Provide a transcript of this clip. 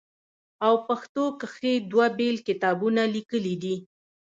او پښتو کښې دوه بيل کتابونه ليکلي دي